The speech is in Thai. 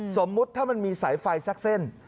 สมมุติถ้ามันมีสายไฟสักเส้น